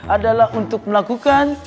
adalah untuk melakukan